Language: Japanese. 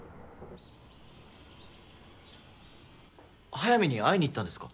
速水に会いに行ったんですか？